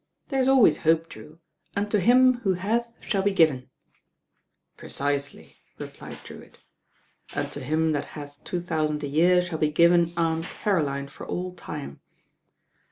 "There is always hope. Drew, 'Unto him who hath shall be given.' " "Precisely," replied Drewitt, "unto him that hath two thousand a year shall be given Aunt Caroline 90 THE RAIN GIRL i for all time.